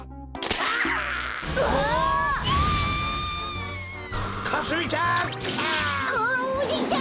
あおじいちゃん